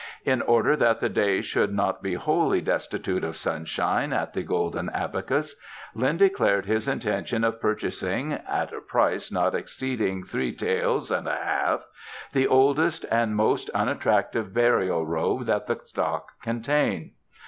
In order that the day should not be wholly destitute of sunshine at the Golden Abacus, Lin declared his intention of purchasing, at a price not exceeding three taels and a half, the oldest and most unattractive burial robe that the stock contained.